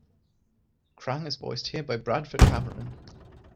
Krang is voiced here by Bradford Cameron.